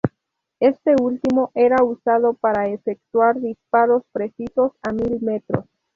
Este último era usado para efectuar disparos precisos a mil metros.